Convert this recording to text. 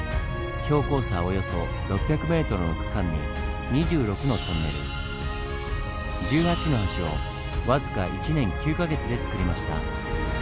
およそ６００ｍの区間に２６のトンネル１８の橋を僅か１年９か月で造りました。